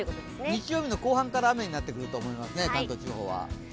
日曜日の後半から雨になってくると思いますね、関東地方は。